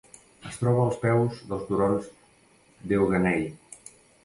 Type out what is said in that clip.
Es troba als peus dels turons d'Euganei.